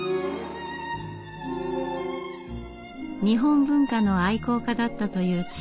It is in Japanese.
日本文化の愛好家だったという父。